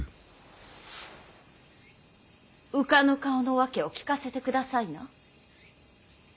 浮かぬ顔の訳を聞かせてくださいな。